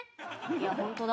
「いやホントだ」。